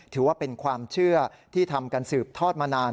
ถือว่าเป็นความเชื่อที่ทำกันสืบทอดมานาน